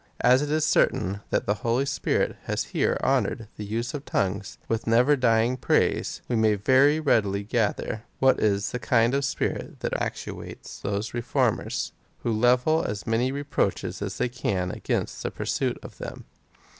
As it is certain, that the Holy Spirit has here honoured the use of tongues with never dying praise, we may very readily gather, what is the kind of sjiirit that actuates those reformers,^ who level as many reproaches as they can against the pursuit of them.